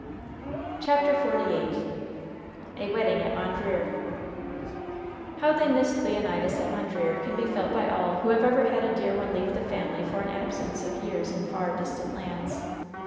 CHAPTER XLVIII A WEDDING AT MONDREER How they missed Leonidas at Mondreer can be felt by all who have ever had a dear one leave the family for an absence of years in far distant lands.